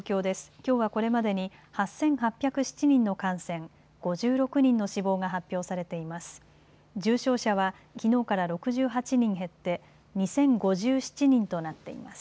きょうはこれまでに８８０７人の感染、５６人の死亡が発表されています。